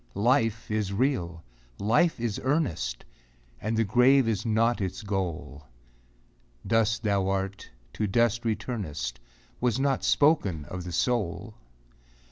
Life is real ! Life is earnest ! And the grave is not its goal ; Dust thou art, to dust returnest, Was not spoken of the soul.